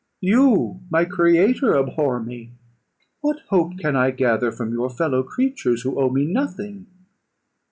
You, my creator, abhor me; what hope can I gather from your fellow creatures, who owe me nothing?